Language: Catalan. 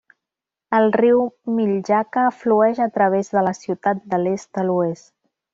El riu Miljacka flueix a través de la ciutat de l'est a l'oest.